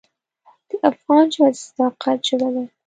د افغان ژبه د صداقت ژبه ده.